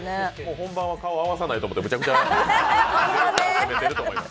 本番は顔合わさないと思って、むちゃくちゃ。